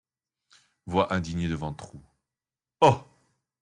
Voix indignée de Ventroux .— Oh !